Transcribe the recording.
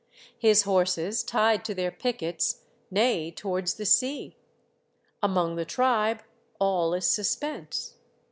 His horses, tied to their pickets, neigh towards the sea. Among the tribe, all is suspense.